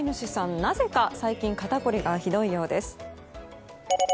なぜか最近肩凝りがひどいようです。